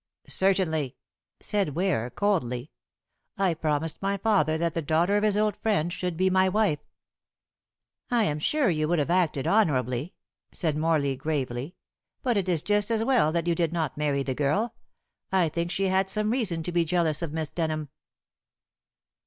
"Certainly," said Ware coldly. "I promised my father that the daughter of his old friend should be my wife." "I am sure you would have acted honorably," said Morley gravely, "but it is just as well that you did not marry the girl. I think she had some reason to be jealous of Miss Denham."